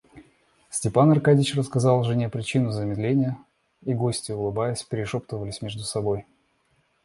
Степан Аркадьич рассказал жене причину замедления, и гости улыбаясь перешептывались между собой.